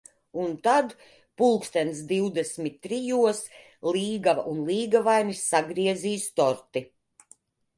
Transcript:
Un tad, pulkstens divdesmit trijos, līgava un līgavainis sagriezīs torti.